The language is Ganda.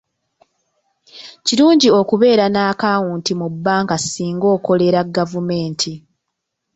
Kirungi okubeera n'akawunti mu bbanka singa okolera gavumenti.